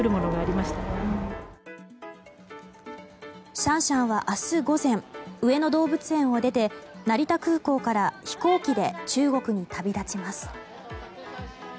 シャンシャンは明日午前上野動物園を出て成田空港から飛行機で中国に旅立ちます。